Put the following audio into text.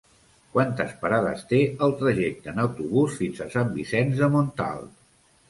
Quantes parades té el trajecte en autobús fins a Sant Vicenç de Montalt?